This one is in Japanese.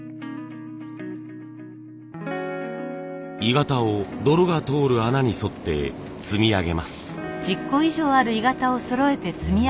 鋳型を泥が通る穴に沿って積み上げます。